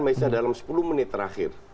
messa dalam sepuluh menit terakhir